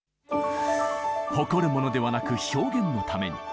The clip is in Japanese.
誇るものではなく表現のために。